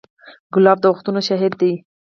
ګلاب د وختونو شاهد دی.